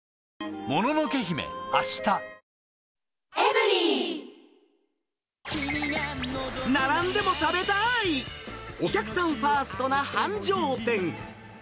「メリット」並んでも食べたい、お客さんファーストな繁盛店。